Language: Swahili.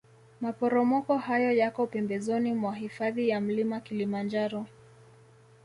maporomoko hayo yako pembezoni mwa hifadhi ya mlima Kilimanjaro